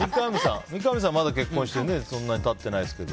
三上さんは結婚してまだそんなに経ってないけど。